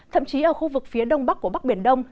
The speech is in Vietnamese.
thậm chí ở khu vực phía đông bắc của bắc biển đông